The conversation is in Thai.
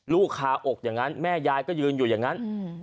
คาอกอย่างนั้นแม่ยายก็ยืนอยู่อย่างนั้น